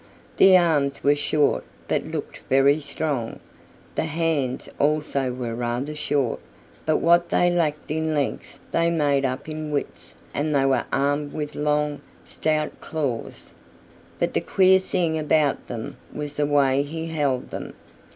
The arms were short but looked very strong. The hands also were rather short, but what they lacked in length they made up in width and they were armed with long, stout claws. But the queer thing about them was the way he held them.